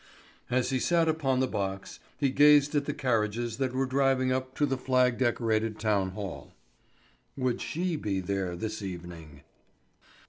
As he sat upon the box, he gazed at the carriages that were driving up to the flag decorated town hall. Would she be there this evening?